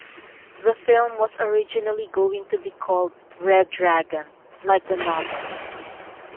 The film was originally going to be called "Red Dragon", like the novel.